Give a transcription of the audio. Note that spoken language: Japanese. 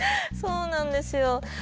そうなんですよ。